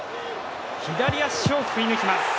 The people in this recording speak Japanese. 左足を振り抜きます。